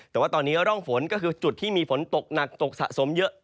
แต่ว่าตอนนี้ร่องฝนก็คือจุดที่มีฝนตกหนักตกสะสมเยอะ